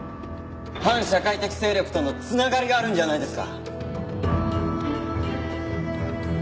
反社会的勢力との繋がりがあるんじゃないですか？